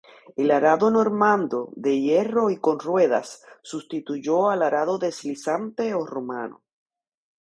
El arado normando, de hierro y con ruedas, sustituyó al arado deslizante o romano.